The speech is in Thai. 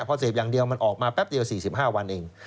เพราะเสพอย่างเดียวไปออกแป๊บ๔๕วัน